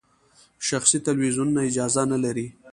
شخصي تلویزیونونه اجازه نلري.